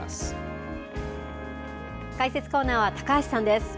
解説コーナーは高橋さんです。